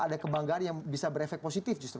ada kebanggaan yang bisa berefek positif justru